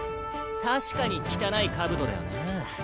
確かに汚い冑だよなぁ。